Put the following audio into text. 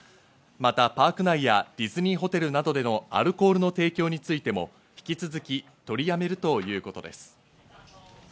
またパーク内やディズニーホテルなどでのアルコールの提供についても引き続き取りやめるということです。